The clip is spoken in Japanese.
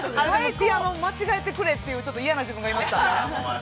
◆ピアノ、まちがえてくれといういやな自分がいました。